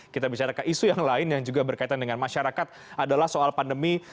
kita bicara ke isu yang lain yang juga berkaitan dengan masyarakat adalah soal pandemi